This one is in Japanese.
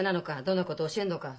「どんなこと教えるのか」